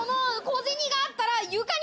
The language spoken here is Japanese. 小銭があったら。